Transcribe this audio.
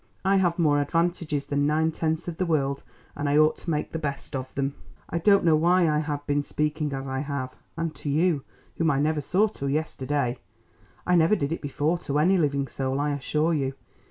I have more advantages than nine tenths of the world, and I ought to make the best of them. I don't know why I have been speaking as I have, and to you, whom I never saw till yesterday. I never did it before to any living soul, I assure you.